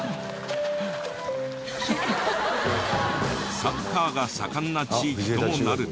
サッカーが盛んな地域ともなると。